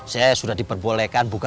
saya sudah diperbolehkan bu ranti